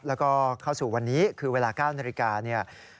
แล้วก็เข้าสู่วันนี้คือเวลา๙นาฬิกาเนี่ย